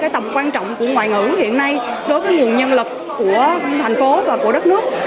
tầm quan trọng của ngoại ngữ hiện nay đối với nguồn nhân lực của thành phố và của đất nước